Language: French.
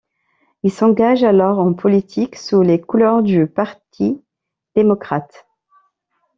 Il s'engage alors en politique, sous les couleurs du Parti démocrate.